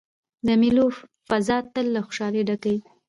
د مېلو فضا تل له خوشحالۍ ډکه يي.